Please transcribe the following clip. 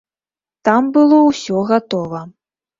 Там было ўсё гатова.